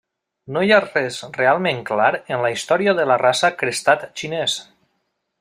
No hi ha res realment clar en la història de la raça Crestat Xinès.